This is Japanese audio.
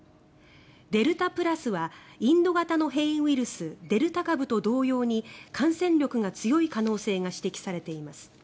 デルタプラスはインド型の変異ウイルスデルタ株と同様に感染力が強い可能性が指摘されています。